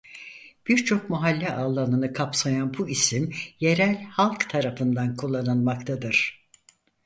Birçok mahalle alanını kapsayan bu isim yerel halk tarafından kullanılmaktadır.